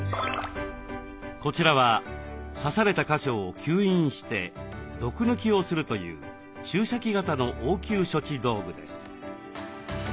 こちらは刺された箇所を吸引して毒抜きをするという注射器型の応急処置道具です。